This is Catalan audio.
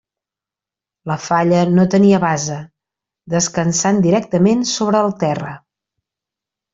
La falla no tenia base, descansant directament sobre el terra.